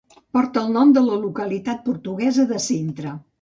Porta el nom de la localitat portuguesa de Sintra.